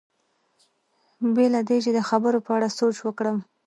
بې له دې چې د خبرو په اړه سوچ وکړم.